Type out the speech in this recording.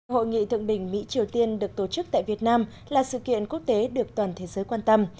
hội nghị thượng đỉnh mỹ triều tiên được tổ chức tại việt nam là sự kiện quốc tế được toàn thế giới quan tâm